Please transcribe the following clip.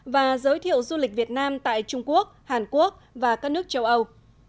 và giới thiệu du lịch việt nam tại trung quốc hàn quốc và các nước châu âu